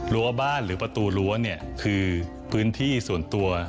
รั้วบ้านหรือประตูรั้วคือพื้นที่ส่วนตัว